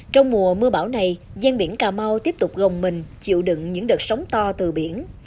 trong mùa mưa bão này gian biển cà mau tiếp tục gồng mình chịu đựng những đợt sóng to từ biển